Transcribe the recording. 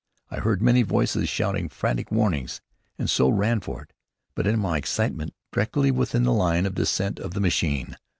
I heard many voices shouting frantic warnings, and so ran for it, but, in my excitement, directly within the line of descent of the machine.